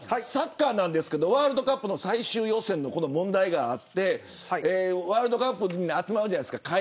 サッカーですけどワールドカップ最終予選の問題があってワールドカップで集まるじゃないですか。